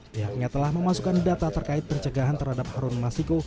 pihaknya telah memasukkan data terkait pencegahan terhadap harun masiku